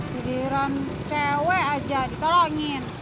sidiran cewek aja ditolongin